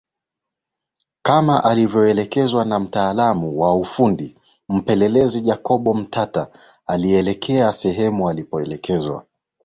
Kama alivyoelekezwa na mtaalamu wa ufundi mpelelezi Jacob Mtata alielekea sehemu alipoelekezwa